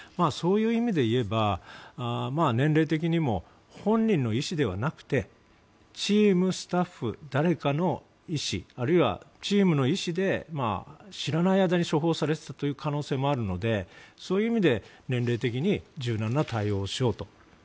そういう意味でいえば年齢的にも本人の意思ではなくてチームスタッフ誰かの意思あるいはチームの意思で知らない間に処方されていたという可能性もあるのでそういう意味で年齢的に柔軟な対応をしようと。